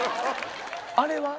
あれは？